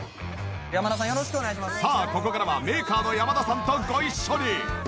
さあここからはメーカーの山田さんとご一緒に。